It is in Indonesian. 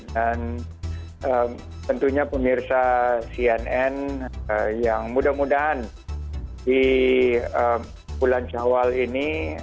dan tentunya pemirsa cnn yang mudah mudahan di bulan jawa ini